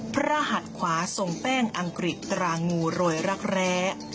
พระหัดขวาทรงแป้งอังกฤษตรางูโรยรักแร้